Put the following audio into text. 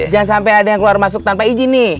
jangan sampai ada yang keluar masuk tanpa izin nih